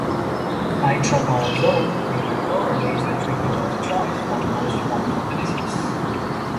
Itraconazole given orally is the treatment of choice for most forms of the disease.